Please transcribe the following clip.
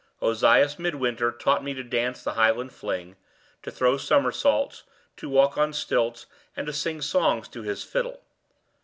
Ozias Midwinter taught me to dance the Highland fling, to throw somersaults, to walk on stilts, and to sing songs to his fiddle.